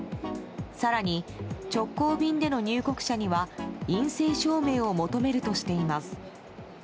更に、直行便での入国者には陰性証明を求めるとしています。